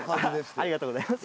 ありがとうございます。